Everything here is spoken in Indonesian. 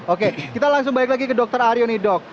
oke kita langsung balik lagi ke dr aryo nih dok